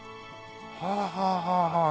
はあはあはあはあ。